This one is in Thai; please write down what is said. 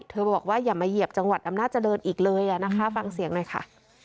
บอกว่าอย่ามาเหยียบจังหวัดอำนาจริงอีกเลยนะคะฟังเสียงหน่อยค่ะ